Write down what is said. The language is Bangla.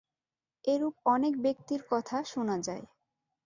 এরূপ অনেক ব্যক্তির কথা শুনা যায়।